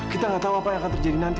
kita gak tau apa yang akan terjadi nanti